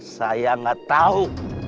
saya nggak tahu